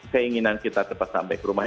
keinginan kita cepat sampai ke rumah